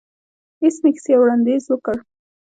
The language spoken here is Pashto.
ایس میکس یو وړاندیز وکړ